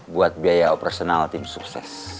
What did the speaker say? buat biaya operasional tim sukses